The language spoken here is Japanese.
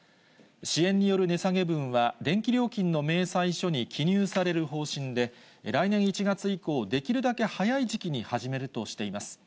支援による値下げ分は、電気料金の明細書に記入される方針で、来年１月以降、できるだけ早い時期に始めるとしています。